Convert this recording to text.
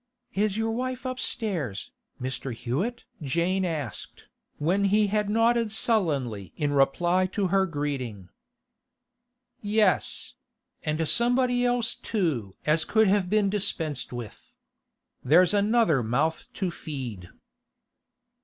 'Is your wife upstairs, Mr. Hewett?' Jane asked, when he had nodded sullenly in reply to her greeting. 'Yes; and somebody else too as could have been dispensed with. There's another mouth to feed.